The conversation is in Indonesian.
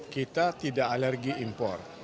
kita tidak alergi impor